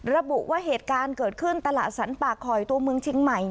ระบุว่าเหตุการณ์เกิดขึ้นตลาดสรรป่าคอยตัวเมืองเชียงใหม่